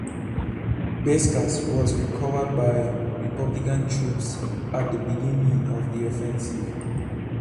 Biescas was recovered by Republican troops at the beginning of the offensive.